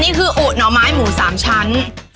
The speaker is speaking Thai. อันนี้คืออุ๋หน่อไม้หมูสามชั้น